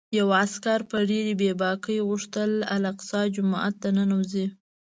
یوه عسکر په ډېرې بې باکۍ غوښتل الاقصی جومات ته ننوځي.